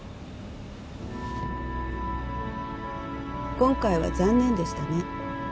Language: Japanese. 今回は残念でしたね